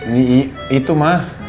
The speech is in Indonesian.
nih itu ma